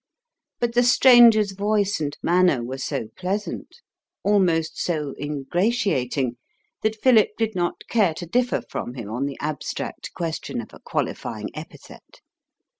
But the stranger's voice and manner were so pleasant, almost so ingratiating, that Philip did not care to differ from him on the abstract question of a qualifying epithet.